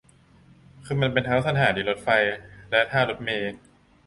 คือมันเป็นทั้งสถานีรถไฟและท่ารถเมล์